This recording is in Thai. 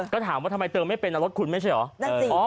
ก็ถามว่าทำไมเติมไม่เป็นรถคุณไม่ใช่เหรอ